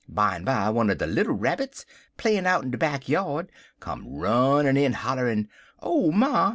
Bimeby one er de little Rabbits, playin' out in de back yard, come runnin' in hollerin', 'Oh, ma!